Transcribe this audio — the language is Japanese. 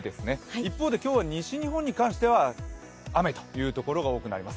一方で今日は西日本に関しては雨というところが多くなります。